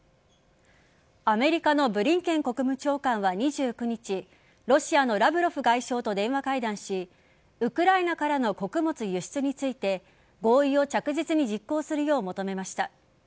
アメリカのブリンケン国務長官は２９日ロシアのラブロフ外相と電話会談しウクライナからの穀物輸出について合意を着実に実行するよう求めました。